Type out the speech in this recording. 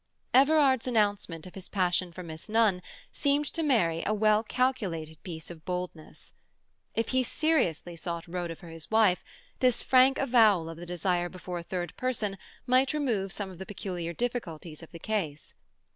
Everard's announcement of his passion for Miss Nunn seemed to Mary a well calculated piece of boldness. If he seriously sought Rhoda for his wife, this frank avowal of the desire before a third person might remove some of the peculiar difficulties of the case.